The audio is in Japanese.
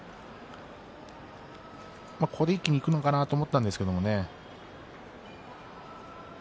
これで一気にいくかと思ったんですけどね。